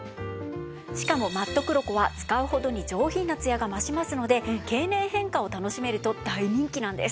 しかもマットクロコは使うほどに上品なツヤが増しますので経年変化を楽しめると大人気なんです。